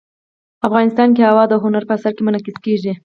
افغانستان کې هوا د هنر په اثار کې منعکس کېږي.